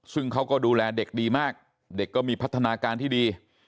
ซึ่งเขาก็ดูแลเด็กดีมากเด็กก็มีพัฒนาการที่ดี